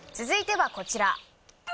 続いてはこちら。